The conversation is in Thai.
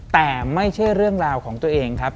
แต่ไม่ใช่เรื่องราวของตัวเองครับ